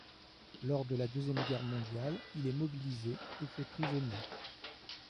Lors de la deuxième guerre mondiale il est mobilisé et fait prisonnier.